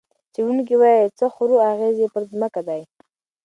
څېړونکي وايي، څه خورو، اغېز یې پر ځمکه دی.